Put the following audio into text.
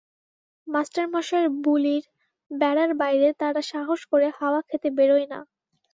মাস্টারমশায়ের বুলির বেড়ার বাইরে তারা সাহস করে হাওয়া খেতে বেরোয় না।